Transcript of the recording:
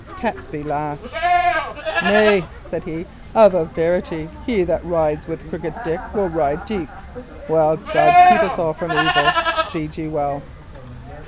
Catesby laughed. "Nay," said he, "of a verity he that rides with Crooked Dick will ride deep. Well, God keep us all from evil! Speed ye well."